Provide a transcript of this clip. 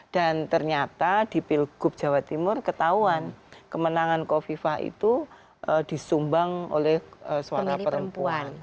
dan ternyata di pilgub jawa timur ketahuan kemenangan kofifa itu disumbang oleh suara perempuan